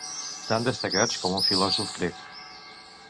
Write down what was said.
Tan destacats com un filòsof grec.